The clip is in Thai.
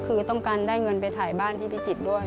คือต้องการได้เงินไปถ่ายบ้านที่พิจิตรด้วย